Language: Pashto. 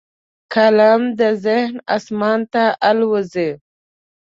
قلم د ذهن اسمان ته الوزي